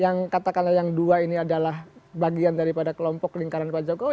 yang katakanlah yang dua ini adalah bagian daripada kelompok lingkaran pak jokowi